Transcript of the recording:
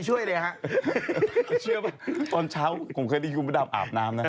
เชื่อไหมตอนเช้าผมเคยได้ยูมาดาบอาบน้ำนะ